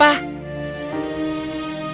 ayah ada apa